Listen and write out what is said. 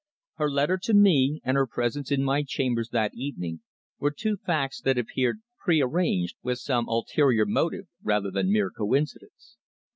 Her letter to me, and her presence in my chambers that evening, were two facts that appeared pre arranged with some ulterior motive rather than mere coincidence.